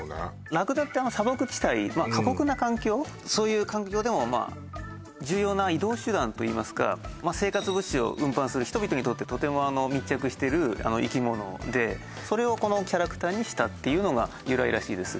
ラクダって砂漠地帯まあ過酷な環境そういう環境でも重要な移動手段といいますか生活物資を運搬する人々にとってとても密着してる生き物でそれをこのキャラクターにしたっていうのが由来らしいです